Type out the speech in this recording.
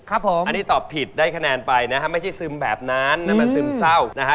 ครับผมอันนี้ตอบผิดได้คะแนนไปนะฮะไม่ใช่ซึมแบบนั้นนั่นมันซึมเศร้านะฮะ